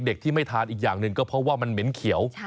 ที่ไม่ทานอีกอย่างหนึ่งก็เพราะว่ามันเหม็นเขียว